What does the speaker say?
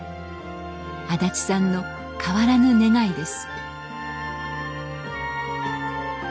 安達さんの変わらぬ願いです。